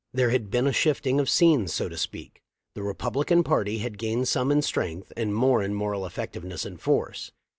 There had been a shifting of scenes, so to speak. The Republican party had gained some in strength and more in moral effectiveness and force.